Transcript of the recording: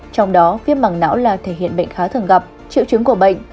trong đó viêm mảng não là thể hiện bệnh khá thường gặp triệu chứng của bệnh